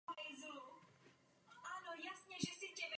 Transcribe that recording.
V katastrálním území Kamenická Nová Víska leží i Víska pod Lesy.